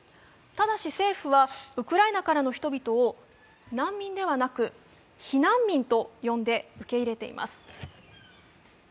ただし政府は、ウクライナからの人々を難民ではなく避難民と呼んで受け入れています。